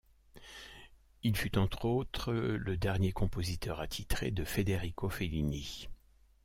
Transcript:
Il fut entre autres le dernier compositeur attitré de Federico Fellini.